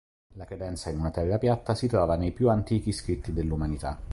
La credenza in una Terra piatta si trova nei più antichi scritti dell'umanità.